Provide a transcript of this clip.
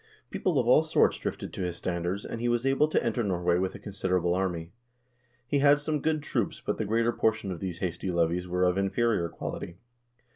People of all sorts drifted to his standards, and he was able to enter Norway with a considerable army. He had some good troops, but the greater portion of these hasty levies were of inferior quality.